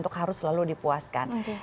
untuk harus selalu dipuaskan